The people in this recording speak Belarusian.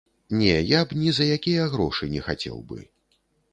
Не, я б ні за якія грошы не хацеў бы.